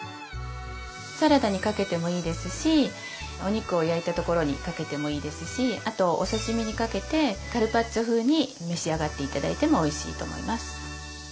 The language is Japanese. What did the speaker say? サラダにかけてもいいですしお肉を焼いたところにかけてもいいですしあとお刺身にかけてカルパッチョ風に召し上がって頂いてもおいしいと思います。